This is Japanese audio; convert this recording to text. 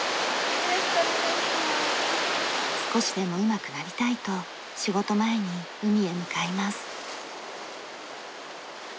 少しでもうまくなりたいと仕事前に海へ向かいます。